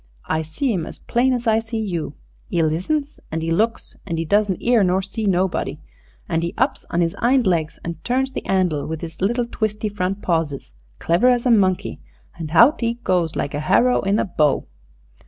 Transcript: I see 'im as plain as I see you. 'E listens an' 'e looks, and 'e doesn't 'ear nor see nobody. An' 'e ups on his 'ind legs and turns the 'andle with 'is little twisty front pawses, clever as a monkey, and hout 'e goes like a harrow in a bow.